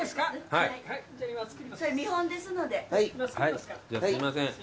はいじゃあすいません。